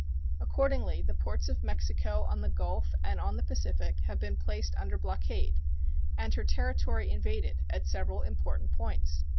Accordingly the ports of Mexico on the Gulf and on the Pacific have been placed under blockade and her territory invaded at several important points.